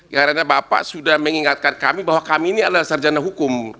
karena bapak sudah mengingatkan kami bahwa kami ini adalah sarjana hukum